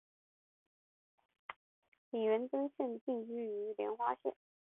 李元贞现定居花莲县。